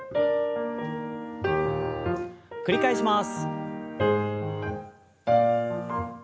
繰り返します。